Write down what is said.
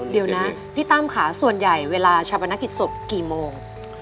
เดี๋ยวนะพี่ตั้มค่ะส่วนใหญ่เวลาชาปนกิจศพกี่โมง